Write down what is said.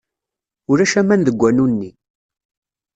Ulac aman deg wanu-nni.